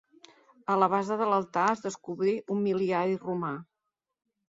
A la base de l'altar es descobrí un mil·liari romà.